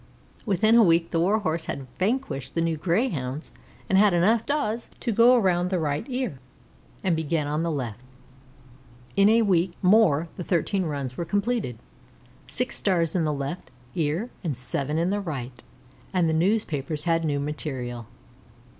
Within a week the Warhorse had vanquished the new Greyhounds and had stars enough to go round the right ear and begin on the left. In a week more the thirteen runs were completed, six stars in the left ear and seven in the right, and the newspapers had new material.